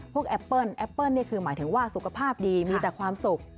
แอปเปิ้ลแอปเปิ้ลนี่คือหมายถึงว่าสุขภาพดีมีแต่ความสุข